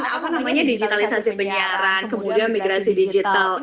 apa namanya digitalisasi penyiaran kemudian migrasi digital